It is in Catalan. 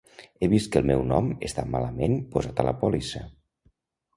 He vist que el meu nom està malament posat a la pòlissa.